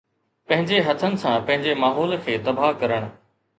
پنهنجي هٿن سان پنهنجي ماحول کي تباهه ڪرڻ